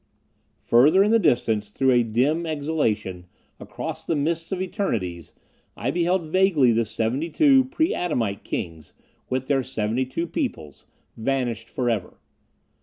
Further in the distance, through a dim exhalation, across the mists of eternities, I beheld vaguely the seventy two pre Adamite kings, with their seventy two peoples, vanished forever.